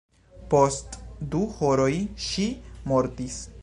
Post du horoj ŝi mortis.